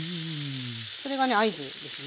それがね合図ですね。